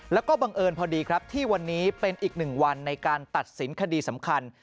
แล้วก็บังเอิญพอดีครับที่วันนี้เป็นอีกหนึ่งวันในการตัดสินคดีสำคัญ